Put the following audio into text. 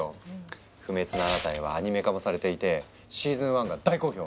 「不滅のあなたへ」はアニメ化もされていてシーズン１が大好評！